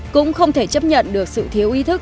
cũng không thể chấp nhận được sự thiếu ý thức